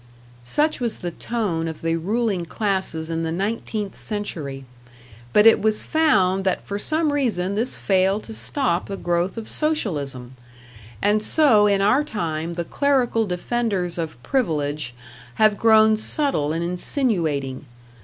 Such was the tone of the ruling classes in the nineteenth century; but it was found that for some reason this failed to stop the growth of Socialism, and so in our time the clerical defenders of Privilege have grown subtle and insinuating.